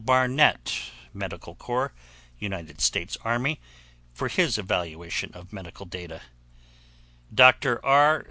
Barnett, Medical Corps, United States Army, for his evaluation of medical data, Dr. R.